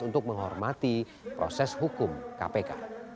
untuk menghormati proses hukum kpk